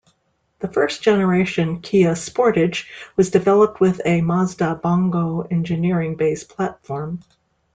The first-generation Kia Sportage was developed with a Mazda Bongo engineering base platform.